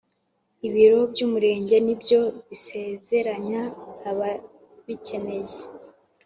ibiro by’umurenge ni byo bisezeranya ababikeneye.